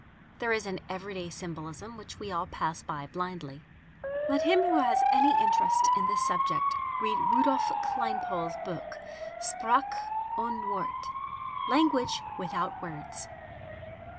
There is an everyday symbolism which we all pass by blindly. Let him who has any interest in this subject read Rudolph Kleinpaul's book, "Sprache ohne Worte" (Language without Words).